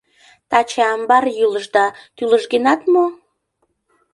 Таче амбар йӱлыш, да тӱлыжгенат мо?